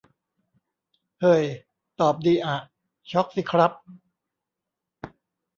เห่ย ตอบดีอะ ช็อกสิครับ